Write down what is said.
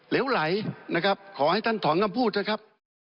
เหลวไหลนะครับขอให้ท่านถอนกันพูดนะครับ